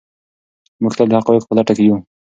موږ تل د حقایقو په لټه کې یو.